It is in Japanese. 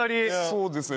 そうですね。